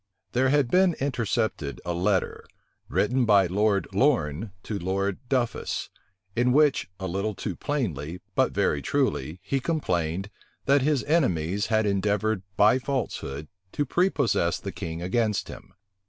There had been intercepted a letter, written by Lord Lorne to Lord Duffus, in which, a little too plainly, but very truly, he complained, that his enemies had endeavored by falsehood to prepossess the king against him.